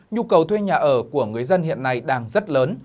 nhu cầu thuê nhà ở của người dân hiện nay đang rất lớn